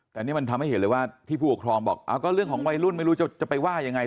แต่นี่มันทำให้เห็นเลยว่าที่ผู้ปกครองบอกก็เรื่องของวัยรุ่นไม่รู้จะไปว่ายังไง